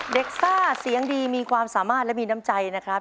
ซ่าเสียงดีมีความสามารถและมีน้ำใจนะครับ